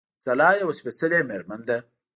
ځلا يوه سپېڅلې مېرمن ده